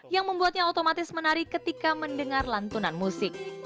yang membuatnya otomatis menarik ketika mendengar lantunan musik